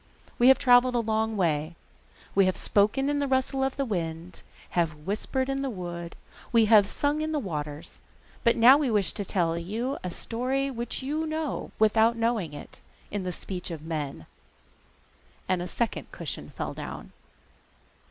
We have travelled a long way, we have spoken in the rustle of the wind, have whispered in the wood, we have sung in the waters, but now we wish to tell you a story which you know without knowing it, in the speech of men.' And a second cushion fell down.